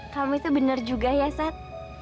kamu itu benar juga ya sat